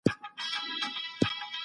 په کور کې تازه خوراک تیار کړه.